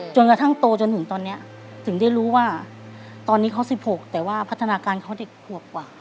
จนกระทั่งโตจนถึงตอนนี้ถึงได้รู้ว่าตอนนี้เขา๑๖แต่ว่าพัฒนาการเขาเด็กขวบกว่า